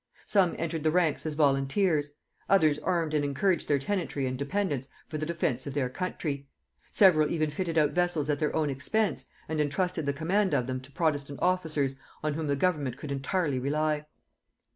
Some entered the ranks as volunteers; others armed and encouraged their tenantry and dependants for the defence of their country; several even fitted out vessels at their own expense, and intrusted the command of them to protestant officers on whom the government could entirely rely.